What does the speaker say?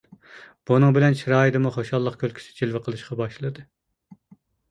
بۇنىڭ بىلەن چىرايىدىمۇ خۇشاللىق كۈلكىسى جىلۋە قىلىشقا باشلىدى.